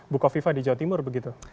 bukovifah di jawa timur begitu